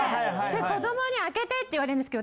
子どもに開けてって言われるんですけど